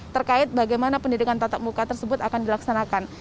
terkait bagaimana pendidikan tatap muka tersebut akan dilaksanakan